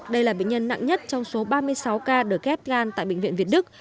đây là bệnh nhân nặng nhất trong số ba mươi sáu ca được ghép gan tại bệnh viện việt đức